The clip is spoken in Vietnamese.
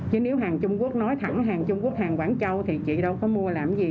chứ nếu hàng trung quốc nói thẳng hàng trung quốc hàng quảng châu thì chị đâu có mua làm gì